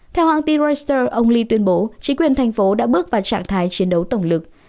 theo hãng tin resut ông lee tuyên bố chính quyền thành phố đã bước vào trạng thái chiến đấu tổng lực